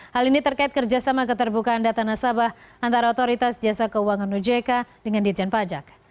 hal ini terkait kerjasama keterbukaan data nasabah antara otoritas jasa keuangan ujk dengan ditjen pajak